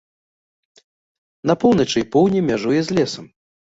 На поўначы і поўдні мяжуе з лесам.